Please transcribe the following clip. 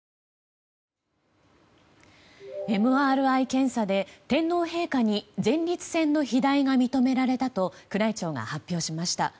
ＭＲＩ検査で天皇陛下に前立腺の肥大が認められたと宮内庁が発表しました。